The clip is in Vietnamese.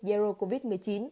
dây rô covid một mươi chín